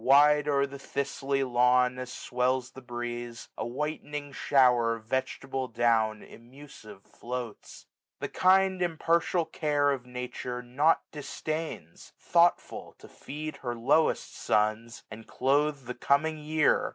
Wide o'er the thistly lawn, as swells the breeze, A whitening shower of vegetable down Amusive floats. The kind impartial care Of Nature nought disdains : thoughtful to feed 1660 Her lowest sons, and clothe the coming year.